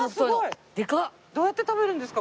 どうやって食べるんですか？